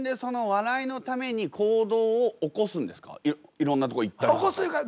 いろんなとこ行ったりとか。